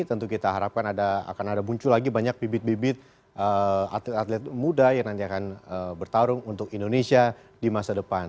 tentu kita harapkan akan ada muncul lagi banyak bibit bibit atlet atlet muda yang nanti akan bertarung untuk indonesia di masa depan